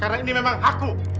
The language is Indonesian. karena ini memang aku